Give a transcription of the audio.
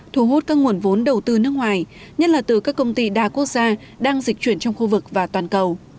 thu hút các nguồn vốn đầu tư nước ngoài nhất là từ các công ty đa quốc gia đang dịch chuyển trong khu vực và toàn cầu